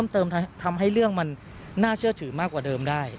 ทำให้เรื่องมันน่าเชื่อถือมากกว่าเดิมได้